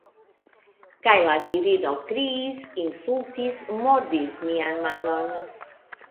Kaj la virino kriis, insultis, mordis mian manon.